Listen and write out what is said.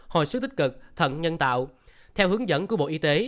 hồi sức tích cực thận nhân tạo theo hướng dẫn của bộ y tế